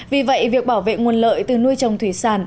vì vậy việc bảo vệ nguồn lợi từ nuôi trồng thủy sản